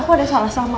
aku ada salah sama